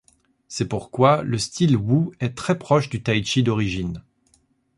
C'est pourquoi le style Wu est très proche du tai-chi d'origine.